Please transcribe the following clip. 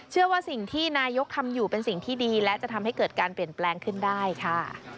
เชื่อว่าสิ่งที่นายกทำอยู่เป็นสิ่งที่ดีและจะทำให้เกิดการเปลี่ยนแปลงขึ้นได้ค่ะ